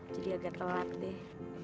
jadi agak telat deh